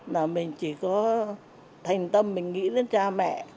là mình chỉ có thành tâm mình nghĩ đến cha mẹ